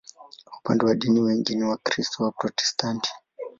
Upande wa dini, wengi ni Wakristo Waprotestanti.